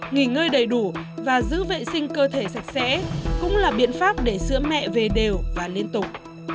nghỉ ngơi đầy đủ và giữ vệ sinh cơ thể sạch sẽ cũng là biện pháp để sữa mẹ về đều và liên tục